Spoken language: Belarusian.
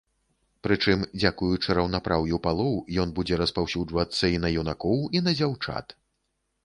Прычым дзякуючы раўнапраўю палоў ён будзе распаўсюджвацца і на юнакоў, і на дзяўчат.